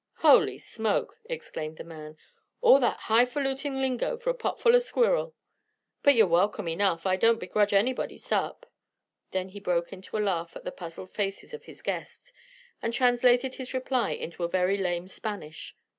"Holy smoke!" exclaimed the man, "all that high falutin' lingo for a potful of squirril. But you're welcome enough. I don't begrudge anybody sup." Then he broke into a laugh at the puzzled faces of his guests, and translated his reply into very lame Spanish.